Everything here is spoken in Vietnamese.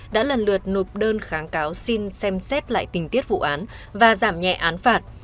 đã lần lượt nộp đơn kháng cáo xin xem xét lại tình tiết vụ án và giảm nhẹ án phạt